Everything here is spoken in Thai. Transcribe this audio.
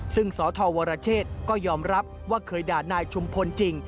ซึ่งสธวรเชษก็ยอมรับว่าเคยด่านายชุมพลจริง